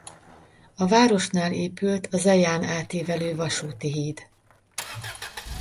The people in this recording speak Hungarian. A városnál épült a Zeján átívelő vasúti híd.